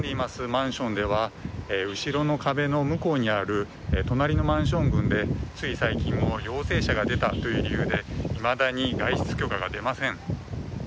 マンションでは後ろの壁の向こうにある隣のマンション群でつい最近も陽性者が出たという理由でいまだに外出許可が出ません。